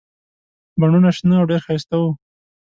بڼونه شنه او ډېر ښایسته وو.